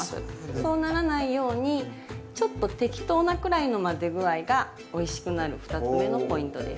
そうならないようにちょっと適当なくらいの混ぜ具合がおいしくなる２つ目のポイントです。